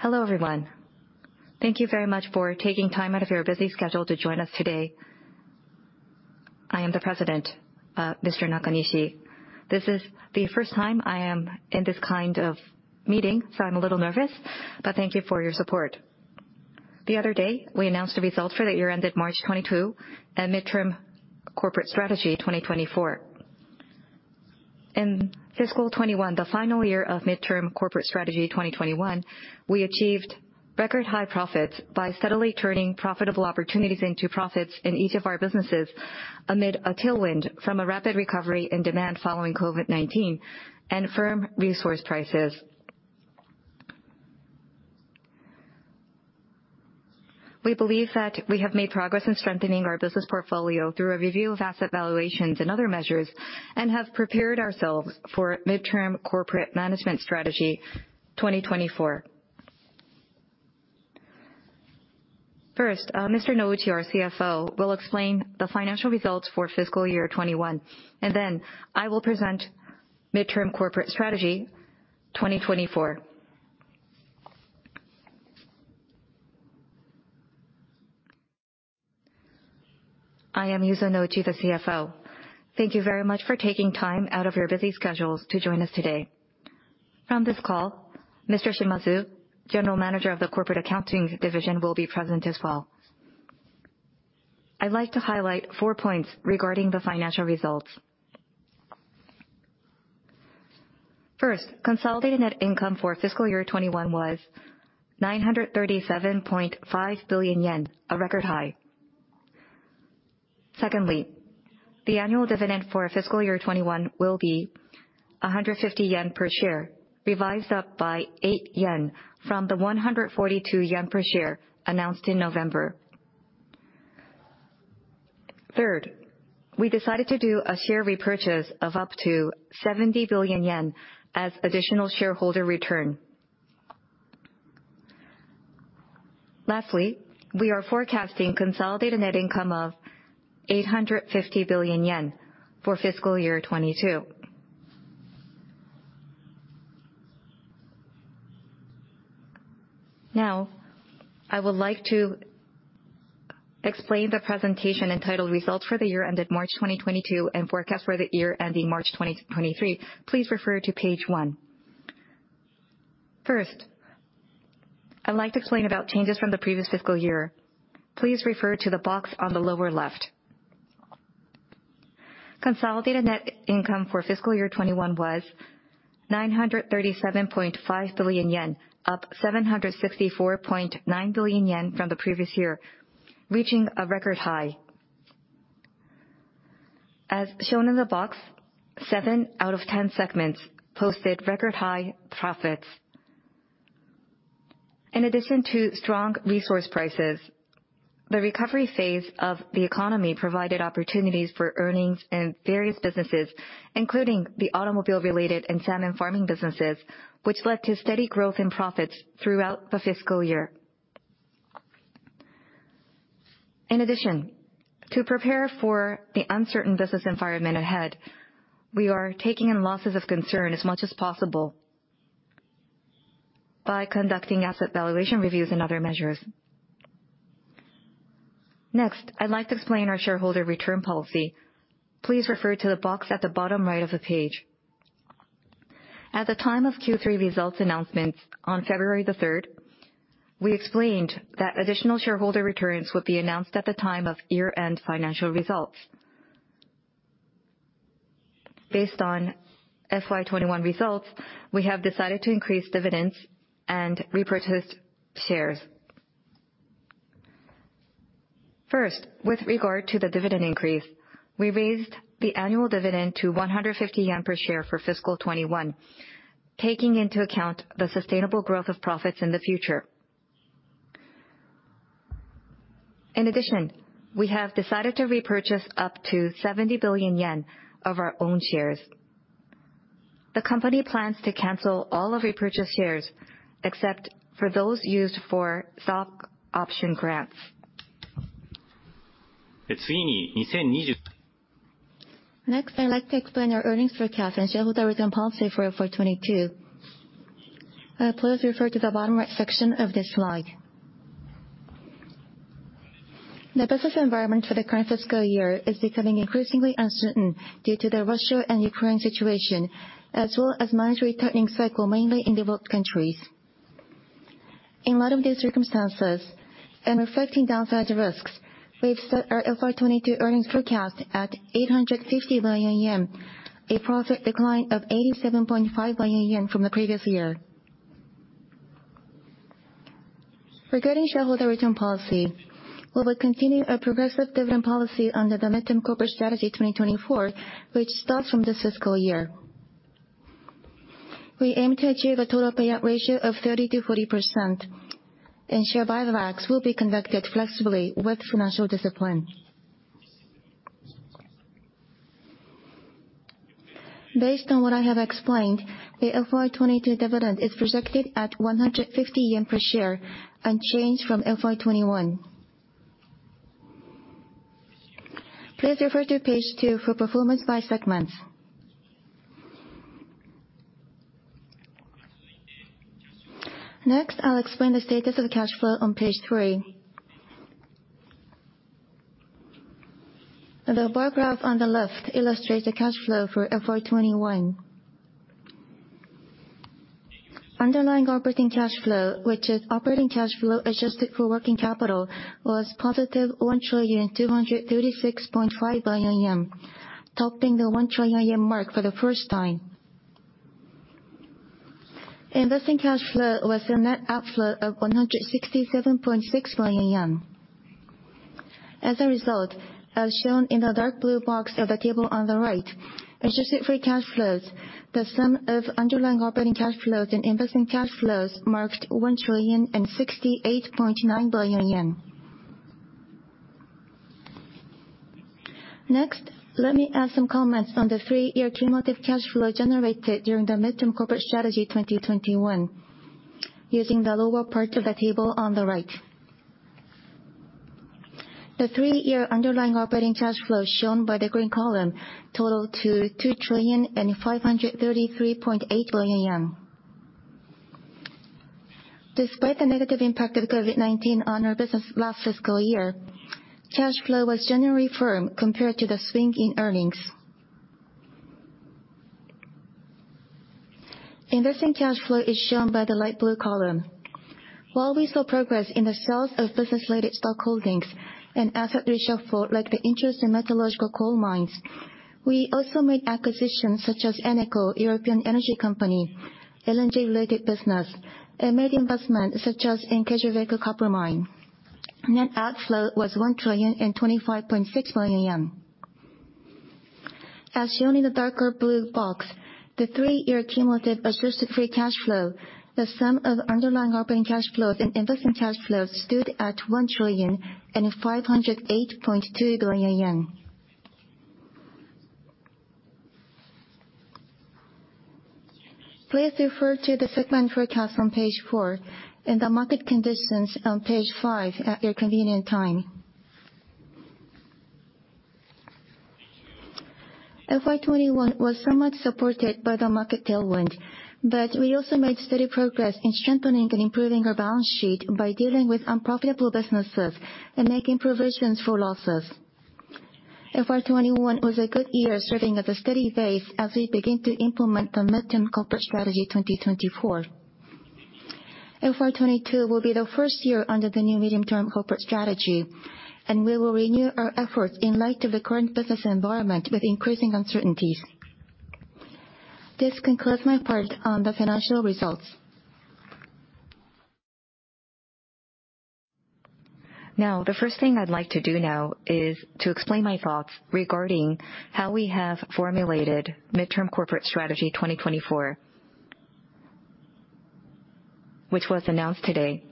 Hello, everyone. Thank you very much for taking time out of your busy schedule to join us today. I am the president, Mr. Nakanishi. This is the first time I am in this kind of meeting, so I'm a little nervous, but thank you for your support. The other day, we announced the results for the year ended March 2022 and Midterm Corporate Strategy 2024. In FY2021, the final year of Midterm Corporate Strategy 2021, we achieved record high profits by steadily turning profitable opportunities into profits in each of our businesses amid a tailwind from a rapid recovery in demand following COVID-19 and firm resource prices. We believe that we have made progress in strengthening our business portfolio through a review of asset valuations and other measures, and have prepared ourselves for Midterm Corporate Strategy 2024. First, Mr. Nouchi, our CFO, will explain the financial results for fiscal year 2021, and then I will present Midterm Corporate Strategy 2024. I am Yuzo Nouchi, the CFO. Thank you very much for taking time out of your busy schedules to join us today. On this call, Mr. Shimazu, General Manager of the Corporate Accounting Department, will be present as well. I'd like to highlight four points regarding the financial results. First, consolidated net income for fiscal year 2021 was 937.5 billion yen, a record high. Secondly, the annual dividend for fiscal year 2021 will be 150 yen per share, revised up by 8 yen from the 142 yen per share announced in November. Third, we decided to do a share repurchase of up to 70 billion yen as additional shareholder return. Lastly, we are forecasting consolidated net income of 850 billion yen for fiscal year 2022. Now, I would like to explain the presentation entitled Results for the Year Ended March 2022 and Forecast for the Year ending March 2023. Please refer to page one. First, I'd like to explain about changes from the previous fiscal year. Please refer to the box on the lower left. Consolidated net income for fiscal year 2021 was 937.5 billion yen, up 764.9 billion yen from the previous year, reaching a record high. As shown in the box, seven out of 10 segments posted record high profits. In addition to strong resource prices, the recovery phase of the economy provided opportunities for earnings in various businesses, including the automobile-related and salmon farming businesses, which led to steady growth in profits throughout the fiscal year. In addition, to prepare for the uncertain business environment ahead, we are taking in losses of concern as much as possible by conducting asset valuation reviews and other measures. Next, I'd like to explain our shareholder return policy. Please refer to the box at the bottom right of the page. At the time of Q3 results announcements on February 3rd, we explained that additional shareholder returns would be announced at the time of year-end financial results. Based on FY2021 results, we have decided to increase dividends and repurchase shares. First, with regard to the dividend increase, we raised the annual dividend to 150 yen per share for FY2021, taking into account the sustainable growth of profits in the future. In addition, we have decided to repurchase up to 70 billion yen of our own shares. The company plans to cancel all the repurchased shares except for those used for stock option grants. Next, I would like to explain our earnings forecast and shareholder return policy for FY2022. Please refer to the bottom right section of this slide. The business environment for the current fiscal year is becoming increasingly uncertain due to the Russia and Ukraine situation, as well as monetary tightening cycle, mainly in developed countries. In light of these circumstances and reflecting downside risks, we've set our FY2022 earnings forecast at 850 billion yen, a profit decline of 87.5 billion yen from the previous year. Regarding shareholder return policy, we will continue a progressive dividend policy under the Midterm Corporate Strategy 2024, which starts from this fiscal year. We aim to achieve a total payout ratio of 30%-40%, and share buybacks will be conducted flexibly with financial discipline. Based on what I have explained, the FY2022 dividend is projected at 150 yen per share, unchanged from FY2021. Please refer to page two for performance by segments. Next, I'll explain the status of the cash flow on page three. The bar graph on the left illustrates the cash flow for FY2021. Underlying operating cash flow, which is operating cash flow adjusted for working capital, was positive 1,236.5 billion yen, topping the 1 trillion yen mark for the first time. Investing cash flow was a net outflow of 167.6 billion yen. As a result, as shown in the dark blue box of the table on the right, adjusted free cash flows, the sum of underlying operating cash flows and investing cash flows marked 1,068.9 billion yen. Next, let me add some comments on the three-year cumulative cash flow generated during the Midterm Corporate Strategy 2021 using the lower part of the table on the right. The three-year underlying operating cash flow shown by the green column totaled to 2,533.8 billion yen. Despite the negative impact of COVID-19 on our business last fiscal year, cash flow was generally firm compared to the swing in earnings. Investing cash flow is shown by the light blue column. While we saw progress in the sales of business-related stock holdings and asset reshuffle, like the interest in metallurgical coal mines, we also made acquisitions such as Eneco, European Energy Company, LNG related business, and made investments such as in Quellaveco Copper Mine. Net outflow was 1,025.6 billion yen. As shown in the darker blue box, the three-year cumulative adjusted free cash flow, the sum of underlying operating cash flows and investing cash flows stood at 1,508.2 billion yen. Please refer to the segment forecast on page four and the market conditions on page five at your convenient time. FY2021 was somewhat supported by the market tailwind, but we also made steady progress in strengthening and improving our balance sheet by dealing with unprofitable businesses and making provisions for losses. FY2021 was a good year, serving as a steady base as we begin to implement the Midterm Corporate Strategy 2024. FY2022 will be the first year under the new Midterm Corporate Strategy 2024, and we will renew our efforts in light of the current business environment with increasing uncertainties. This concludes my part on the financial results. Now, the first thing I'd like to do now is to explain my thoughts regarding how we have formulated Midterm Corporate Strategy 2024, which was announced today.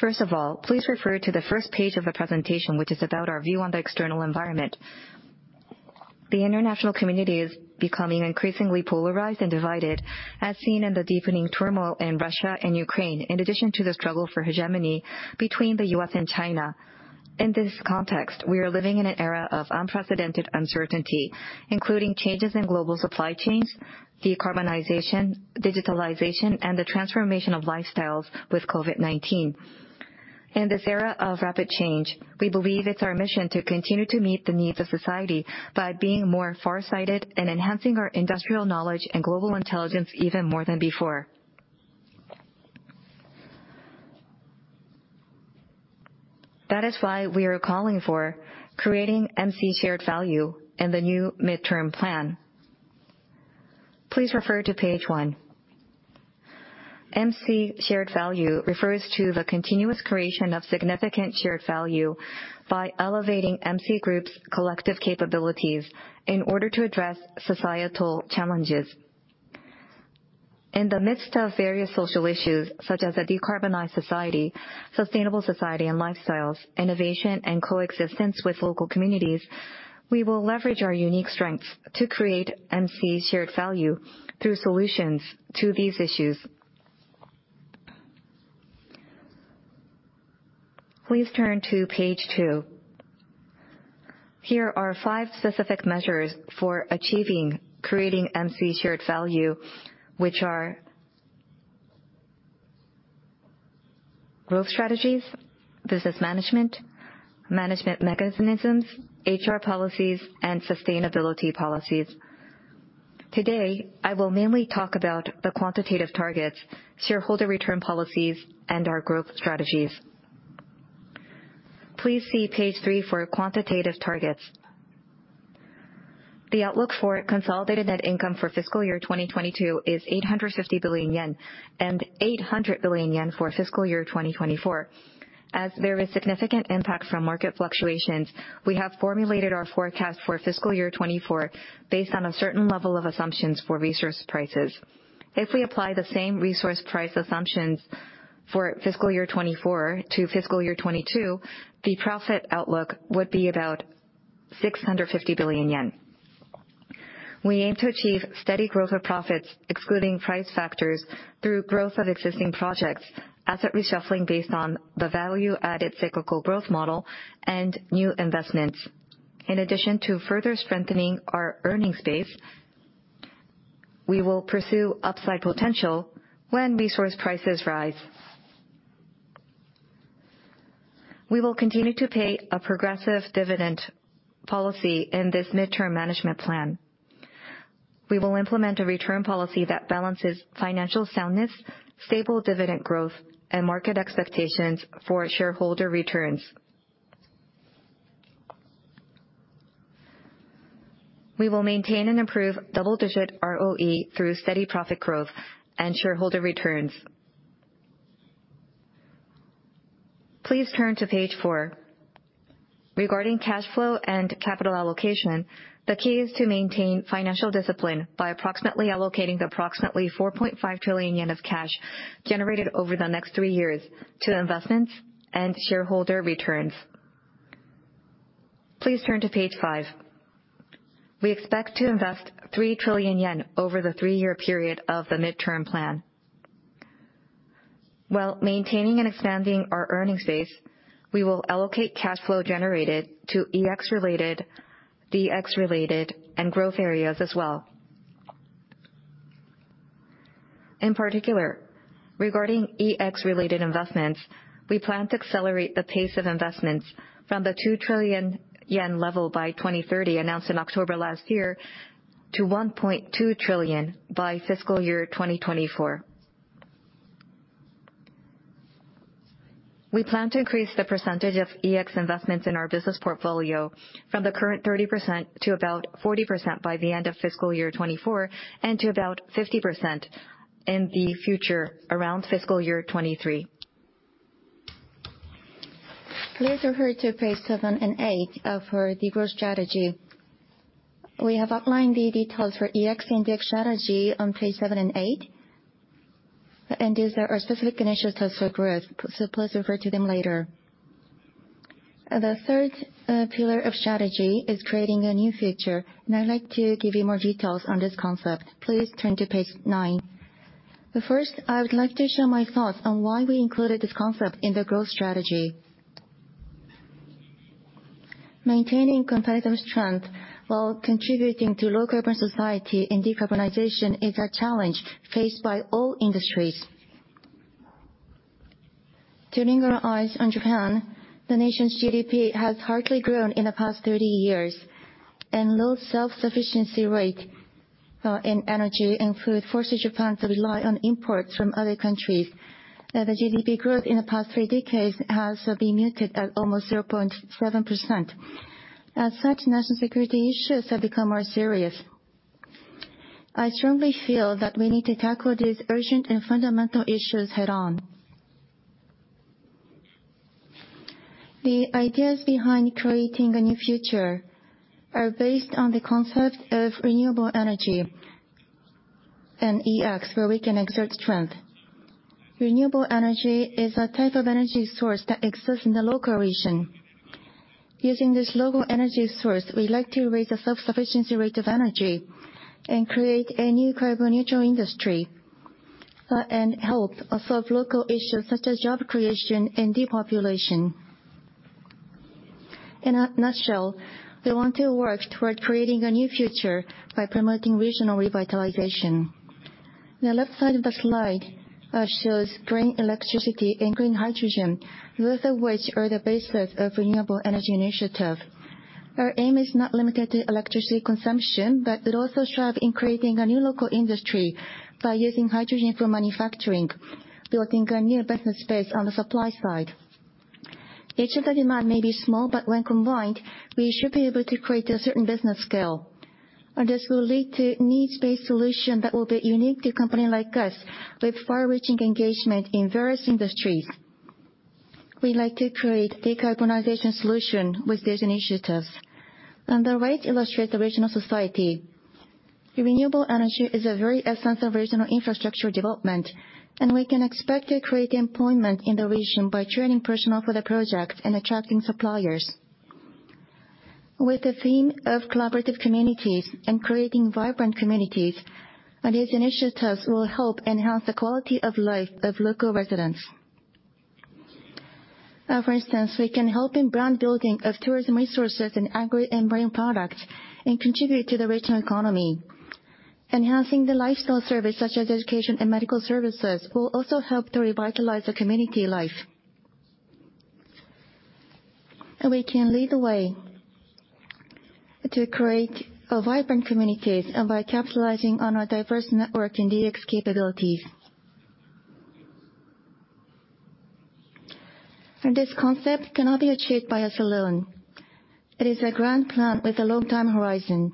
First of all, please refer to the first page of the presentation, which is about our view on the external environment. The international community is becoming increasingly polarized and divided, as seen in the deepening turmoil in Russia and Ukraine, in addition to the struggle for hegemony between the U.S. and China. In this context, we are living in an era of unprecedented uncertainty, including changes in global supply chains, decarbonization, digitalization, and the transformation of lifestyles with COVID-19. In this era of rapid change, we believe it's our mission to continue to meet the needs of society by being more farsighted and enhancing our industrial knowledge and global intelligence even more than before. That is why we are calling for creating MC Shared Value in the new midterm plan. Please refer to page one. MC Shared Value refers to the continuous creation of significant shared value by elevating MC Group's collective capabilities in order to address societal challenges. In the midst of various social issues such as a decarbonized society, sustainable society and lifestyles, innovation and coexistence with local communities, we will leverage our unique strengths to create MC Shared Value through solutions to these issues. Please turn to page two. Here are 5 specific measures for achieving creating MC Shared Value, which are growth strategies, business management mechanisms, HR policies, and sustainability policies. Today, I will mainly talk about the quantitative targets, shareholder return policies, and our growth strategies. Please see page three for quantitative targets. The outlook for consolidated net income for fiscal year 2022 is 850 billion yen and 800 billion yen for fiscal year 2024. As there is significant impact from market fluctuations, we have formulated our forecast for fiscal year 2024 based on a certain level of assumptions for resource prices. If we apply the same resource price assumptions for fiscal year 2024 to fiscal year 2022, the profit outlook would be about 650 billion yen. We aim to achieve steady growth of profits, excluding price factors, through growth of existing projects, asset reshuffling based on the Value-Added Cyclical Growth Model and new investments. In addition to further strengthening our earnings base, we will pursue upside potential when resource prices rise. We will continue to pay a progressive dividend policy in this midterm management plan. We will implement a return policy that balances financial soundness, stable dividend growth, and market expectations for shareholder returns. We will maintain and improve double-digit ROE through steady profit growth and shareholder returns. Please turn to page four. Regarding cash flow and capital allocation, the key is to maintain financial discipline by approximately allocating the 4.5 trillion yen of cash generated over the next three years to investments and shareholder returns. Please turn to page five. We expect to invest 3 trillion yen over the three-year period of the midterm plan. While maintaining and expanding our earnings base, we will allocate cash flow generated to EX-related, DX-related, and growth areas as well. In particular, regarding EX-related investments, we plan to accelerate the pace of investments from the 2 trillion yen level by 2030 announced in October last year to 1.2 trillion by fiscal year 2024. We plan to increase the percentage of EX investments in our business portfolio from the current 30% to about 40% by the end of fiscal year 2024 and to about 50% in the future, around fiscal year 2023. Please refer to page seven and eight of our growth strategy. We have outlined the details for EX and DX strategy on page seven and eight, and these are our specific initiatives for growth, so please refer to them later. The third pillar of strategy is creating a new future, and I'd like to give you more details on this concept. Please turn to page nine. First, I would like to share my thoughts on why we included this concept in the growth strategy. Maintaining competitive strength while contributing to low-carbon society and decarbonization is a challenge faced by all industries. Turning our eyes on Japan, the nation's GDP has hardly grown in the past 30 years, and low self-sufficiency rate in energy and food forces Japan to rely on imports from other countries. The GDP growth in the past three decades has been muted at almost 0.7%. As such, national security issues have become more serious. I strongly feel that we need to tackle these urgent and fundamental issues head-on. The ideas behind creating a new future are based on the concept of renewable energy and EX, where we can exert strength. Renewable energy is a type of energy source that exists in the local region. Using this local energy source, we'd like to raise the self-sufficiency rate of energy and create a new carbon-neutral industry, and help solve local issues such as job creation and depopulation. In a nutshell, we want to work toward creating a new future by promoting regional revitalization. The left side of the slide shows green electricity and green hydrogen, both of which are the basis of renewable energy initiative. Our aim is not limited to electricity consumption, but it also strive in creating a new local industry by using hydrogen for manufacturing, building a new business base on the supply side. Each of the demand may be small, but when combined, we should be able to create a certain business scale. This will lead to needs-based solution that will be unique to company like us with far-reaching engagement in various industries. We'd like to create decarbonization solution with these initiatives. On the right illustrates the regional society. The renewable energy is a very essential regional infrastructure development, and we can expect to create employment in the region by training personnel for the project and attracting suppliers. With the theme of collaborative communities and creating vibrant communities, these initiatives will help enhance the quality of life of local residents. For instance, we can help in brand building of tourism resources and agri and marine products and contribute to the regional economy. Enhancing the lifestyle service such as education and medical services will also help to revitalize the community life. We can lead the way to create a vibrant communities, by capitalizing on our diverse network and DX capabilities. This concept cannot be achieved by us alone. It is a grand plan with a long-term horizon.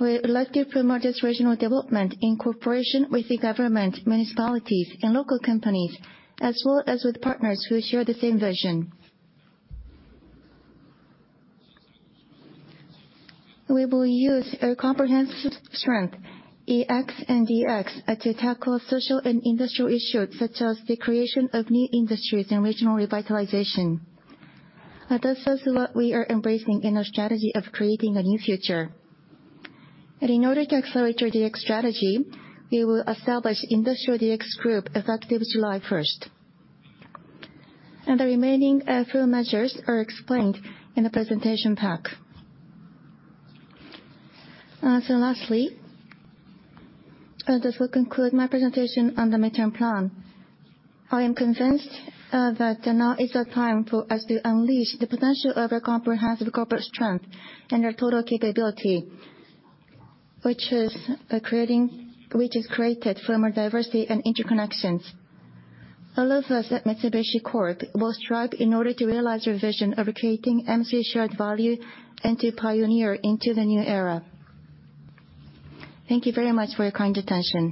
We would like to promote this regional development in cooperation with the government, municipalities, and local companies, as well as with partners who share the same vision. We will use our comprehensive strength, EX and DX, to tackle social and industrial issues such as the creation of new industries and regional revitalization. That shows what we are embracing in our strategy of creating a new future. In order to accelerate our DX strategy, we will establish Industry DX Group effective July 1st. The remaining few measures are explained in the presentation pack. Lastly, this will conclude my presentation on the midterm plan. I am convinced that now is the time for us to unleash the potential of a comprehensive corporate strength and our total capability, which is created from a diversity and interconnections. All of us at Mitsubishi Corp will strive in order to realize our vision of creating MC Shared Value and to pioneer into the new era. Thank you very much for your kind attention.